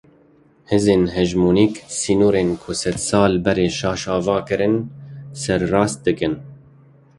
Hêzên hegemonîk sînorên ku sedsal berê şaş ava kirine sererast dikin.